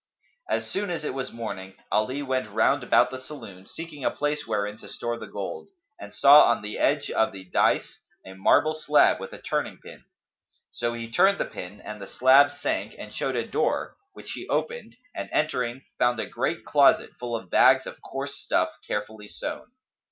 As soon as it was morning Ali went round about the saloon, seeking a place wherein to store the gold, and saw on the edge of the dais a marble slab with a turning pin; so he turned the pin and the slab sank and showed a door which he opened and entering, found a great closet, full of bags of coarse stuff carefully sewn.